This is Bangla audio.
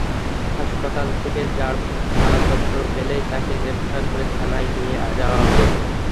হাসপাতাল থেকে ছাড়পত্র পেলেই তাঁকে গ্রেপ্তার করে থানায় নিয়ে যাওয়া হবে।